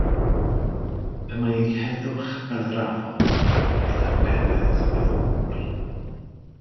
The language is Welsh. Y mae ei heddwch fel yr afon, a'i thangnefedd fel y môr.